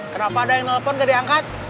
kenapa ada yang nelpon gak diangkat